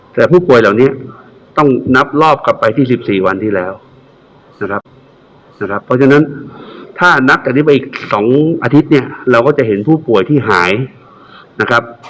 แต่ผู้ป่วยเหล่านี้ต้องนับรอบกลับไปที่๑๔วันที่แล้วนะครับเพราะฉะนั้นถ้านับจากนี้ไปอีก๒อาทิตย์เนี่ยเราก็จะเห็นผู้ป่วยที่หายนะครับ